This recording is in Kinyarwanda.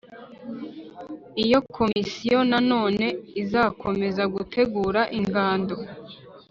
iyo komisiyo nanone izakomeza gutegura ingando,